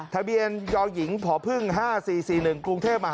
ทะเบียนยหญิงพพ๕๔๔๑กรุงเทพมหานคร